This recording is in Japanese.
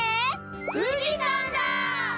富士山だ！